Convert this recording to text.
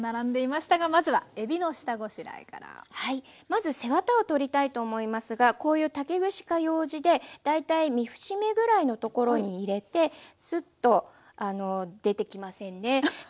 まず背ワタを取りたいと思いますがこういう竹串かようじで大体３節目ぐらいのところに入れてスッと出てきませんね。